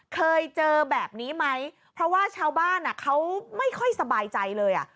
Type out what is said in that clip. เคยเจอแบบนี้ไหมเพราะว่าชาวบ้านเขาไม่ค่อยสบายใจเลยอ่ะ